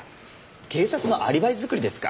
警察のアリバイ作りですか。